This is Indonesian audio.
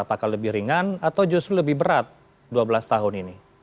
apakah lebih ringan atau justru lebih berat dua belas tahun ini